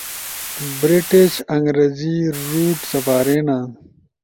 [برٹش انگریزی روٹ سپارینا]